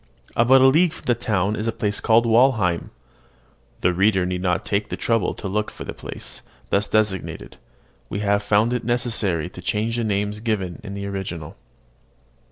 About a league from the town is a place called Walheim. (The reader need not take the trouble to look for the place thus designated. We have found it necessary to change the names given in the original.)